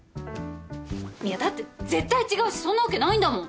いやだって絶対違うしそんなわけないんだもん。